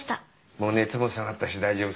もう熱も下がったし大丈夫そうだね。